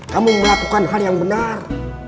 kamu melakukan hal yang benar